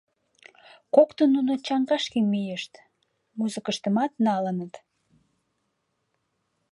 Коктын нуно чоҥгашке мийышт, музыкыштымат налыныт.